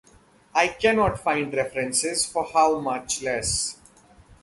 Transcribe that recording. I cannot find references for how much less.